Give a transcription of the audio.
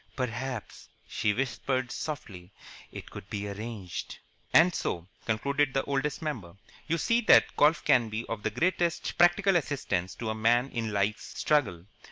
"Perhaps," she whispered, softly, "it could be arranged." "And so," (concluded the Oldest Member), "you see that golf can be of the greatest practical assistance to a man in Life's struggle.